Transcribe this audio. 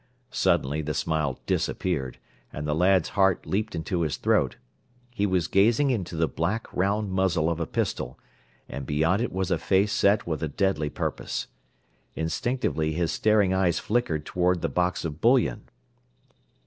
Suddenly the smile disappeared, and the lad's heart leaped into his throat. He was gazing into the black, round muzzle of a pistol, and beyond it was a face set with a deadly purpose. Instinctively his staring eyes flickered towards the box of bullion.